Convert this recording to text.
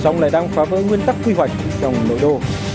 xong lại đang phá vỡ nguyên tắc quy hoạch trong nổi đô